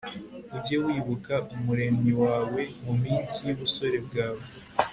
ujye wibuka umuremyi wawe mu minsi y'ubusore bwawe